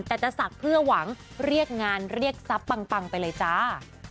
แต่จะศักดิ์เพื่อหวังเรียกงานเรียกทรัพย์ปังไปเลยจ้า